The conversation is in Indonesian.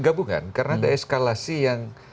gabungan karena ada eskalasi yang